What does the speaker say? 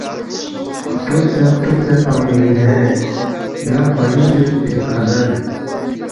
ختوبسے ختوبسے فنگمی ان ہے نہ فہ یول یود پن کھزر